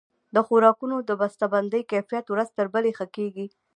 د خوراکونو د بسته بندۍ کیفیت ورځ تر بلې ښه کیږي.